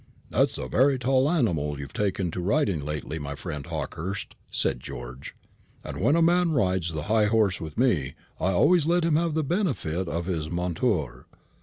"That's a very tall animal you've taken to riding lately, my friend Hawkehurst," said George, "and when a man rides the high horse with me I always let him have the benefit of his monture.